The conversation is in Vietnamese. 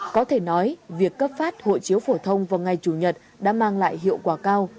có thể nói việc cấp phát hội chiếu phổ thông vào ngày chủ nhật đã mang lại hiệu quả cao